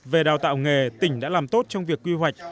về đào tạo nghề tỉnh đã làm tốt trong việc quy hoạch